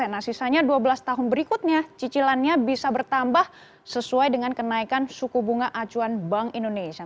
nah sisanya dua belas tahun berikutnya cicilannya bisa bertambah sesuai dengan kenaikan suku bunga acuan bank indonesia